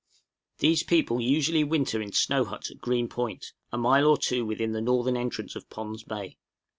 These people usually winter in snow huts at Green Point, a mile or two within the northern entrance of Pond's Bay.